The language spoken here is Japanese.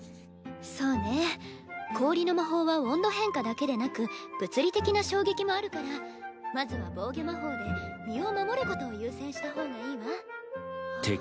そうね氷の魔法は温度変化だけでなく物理的な衝撃もあるからまずは防御魔法で身を守ることを優先した方がいいわ。